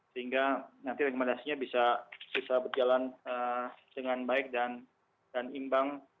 sehingga nanti rekomendasinya bisa berjalan dengan baik dan imbang